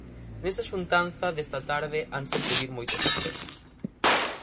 Nesa xuntanza desta tarde hanse pulir moitos aspectos.